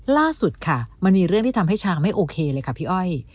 ล่าสุดค่ะมันมีเรื่องที่ทำให้ช้างไม่โอเคเลยค่ะพี่อ้อย